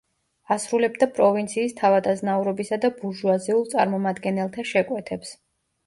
ასრულებდა პროვინციის თავადაზნაურობისა და ბურჟუაზიულ წარმომადგენელთა შეკვეთებს.